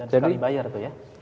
dan sekali bayar itu ya